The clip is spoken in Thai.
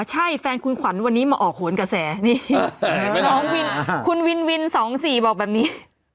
ว่าใช่แฟนคุณขวัญวันนี้มาออกโหลดกระแสนี่คุณวินวินสองสี่บอกแบบนี้